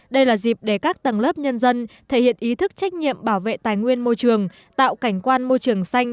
đây là dịp để các tầng lớp nhân dân thể hiện ý thức trách nhiệm bảo vệ tài nguyên môi trường tạo cảnh quan môi trường xanh